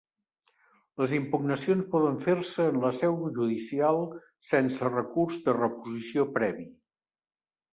Les impugnacions poden fer-se en la seu judicial sense recurs de reposició previ.